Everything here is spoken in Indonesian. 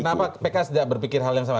kenapa pks tidak berpikir hal yang sama